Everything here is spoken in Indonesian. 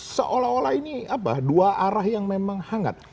seolah olah ini dua arah yang memang hangat